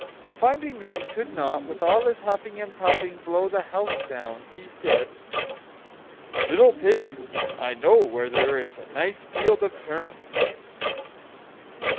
Finding that he could not, with all his huffing and puffing, blow the house down, he said: "Little pig, I know where there is a nice field of turnips."